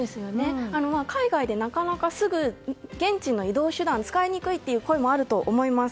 海外でなかなか現地の移動手段が使いにくいという声もあると思います。